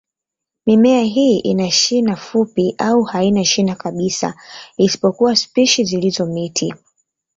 Mimea hii ina shina fupi au haina shina kabisa, isipokuwa spishi zilizo miti.